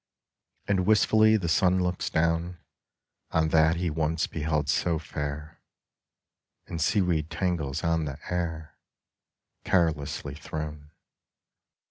And wistfully the sun looks down On that he once beheld so fair In seaweed tangles on the air Carelessly thrown.